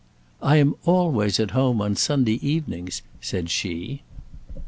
"I am always at home on Sunday evenings," said she.